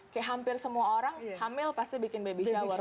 kayak hampir semua orang hamil pasti bikin baby shower